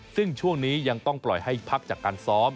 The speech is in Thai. ซึ่งช่วงนี้ยังต้องปล่อยให้พักจากการซ้อม